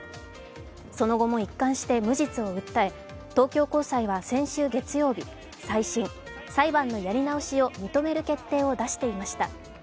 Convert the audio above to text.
その後も一貫して無実を訴え、東京高裁は先週月曜日、再審、裁判のやり直しを認める決定を出していました。